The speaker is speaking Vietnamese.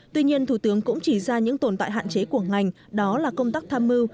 tuy nhiên thủ tướng cũng chỉ ra những tồn tại hạn chế của ngành đó là công tác tham mưu